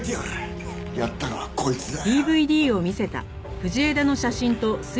やったのはこいつだよ。